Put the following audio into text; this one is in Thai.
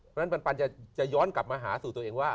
เพราะฉะนั้นปันจะย้อนกลับมาหาสู่ตัวเองว่า